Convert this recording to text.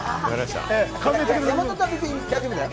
山里は別に大丈夫だよ。